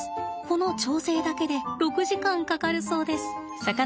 この調整だけで６時間かかるそうです。